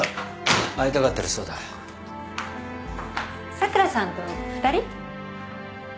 佐倉さんと２人？